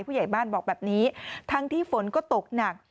ผู้ใหญ่บ้านบอกแบบนี้ทั้งที่ฝนก็ตกหนัก